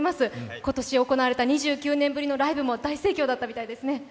今年行われた２９年ぶりのライブも大盛況だったみたいですね。